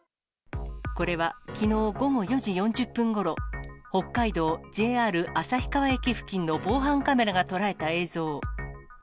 これはきのう午後４時４０分ごろ、北海道、ＪＲ旭川駅付近の防犯カメラが捉えた映像。